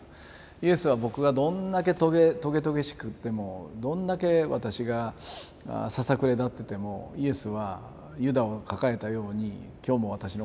イエスは僕がどんだけとげとげしく言ってもどんだけ私がささくれ立っててもイエスはユダを抱えたように今日も私のことを抱きかかえてる。